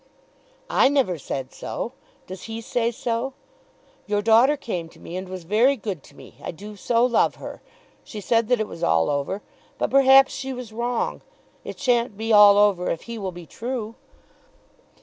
"I never said so. Does he say so? Your daughter came to me and was very good to me. I do so love her. She said that it was all over; but perhaps she was wrong. It shan't be all over if he will be true."